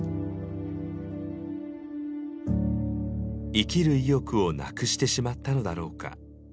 「生きる意欲をなくしてしまったのだろうか」。